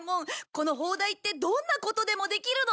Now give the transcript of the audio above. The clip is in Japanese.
この砲台ってどんなことでもできるの？